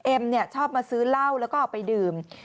ชอบมาซื้อเหล้าแล้วก็เอาไปดื่ม